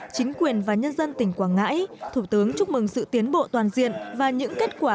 chính quyền và nhân dân tỉnh quảng ngãi thủ tướng chúc mừng sự tiến bộ toàn diện và những kết quả